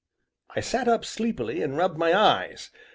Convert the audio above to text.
I sat up, sleepily, and rubbed my eyes.